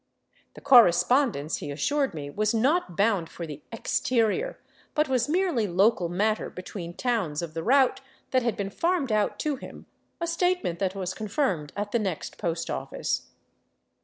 „ The correspondence, he assured me, was not bound for the *' exterior," but was merely local matter between towns of the route that had been farmed out to him, a statement that was confirmed at the next post office.